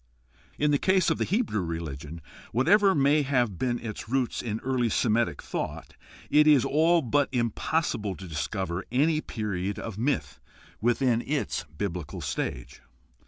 In the case of the Hebrew religion, whatever may have been its roots in early Semitic thought, it is all but impossible to discover any period of myth within its biblical stage.